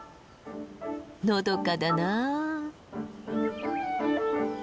のどかだな。